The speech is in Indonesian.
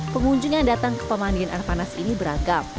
pengunjung yang datang ke pemandian air panas ini beragam